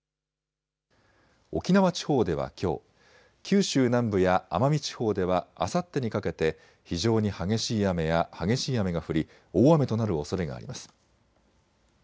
沖縄地方ではきょう、九州南部や奄美地方ではあさってにかけて非常に激しい雨や激しい雨が降り大雨となるおそれがあります。